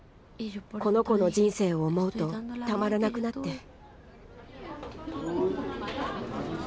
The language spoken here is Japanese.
この子の人生を思うとたまらなくなって。